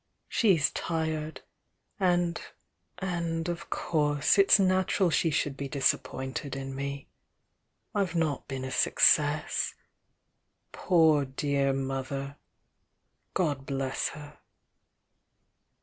"She's tired! And — and of course, it's natural she should be disappointed in me. I've not been a success! Poor dear mother! Got! bless her!"